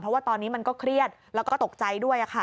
เพราะว่าตอนนี้มันก็เครียดแล้วก็ตกใจด้วย